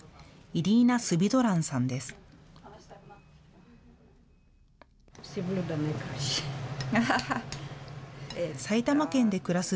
イリーナ・スヴィドランさんです。